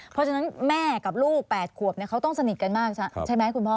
เพราะฉะนั้นแม่กับลูก๘ขวบเขาต้องสนิทกันมากใช่ไหมคุณพ่อ